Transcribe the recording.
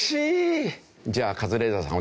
じゃあカズレーザーさん